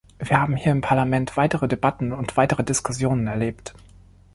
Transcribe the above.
Wir haben hier im Parlament weitere Debatten und weitere Diskussionen erlebt.